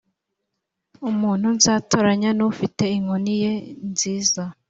umuntu nzatoranya nufite inkoni ye nziza